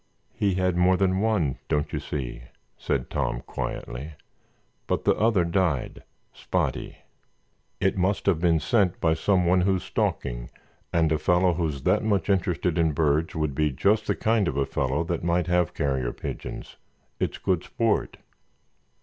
"He had more than one, don't you see?" said Tom, quietly, "but the other died—Spotty. It must have been sent by some one who's stalking and a fellow who's that much interested in birds would be just the kind of a fellow that might have carrier pigeons—it's good sport."